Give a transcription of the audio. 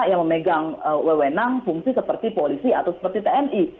yang memegang wewenang fungsi seperti polisi atau seperti tni